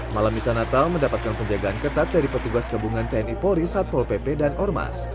malam misa natal mendapatkan penjagaan ketat dari petugas gabungan tni polri satpol pp dan ormas